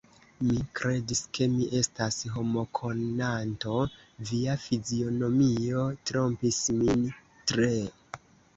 Mi kredis, ke mi estas homokonanto; via fizionomio trompis min tre.